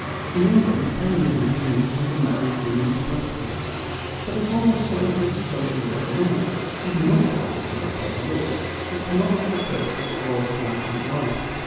In England feminism begins with the Married Women's Pro perty Act. But as long as slavery, social or economic, is not recognised by the law, it cannot be the curse that it was to ancient life.